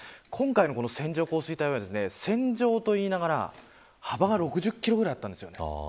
今回の線状降水帯は線状といいながら幅が６０キロくらいあったんです。